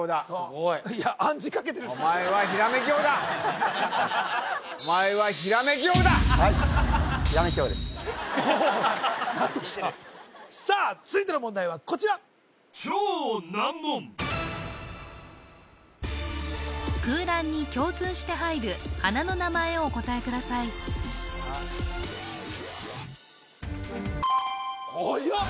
おお納得してるさあ続いての問題はこちら空欄に共通して入る花の名前をお答えくださいはやっ！